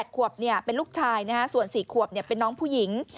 ขวบเป็นลูกชายส่วน๔ขวบเป็นน้องผู้หญิง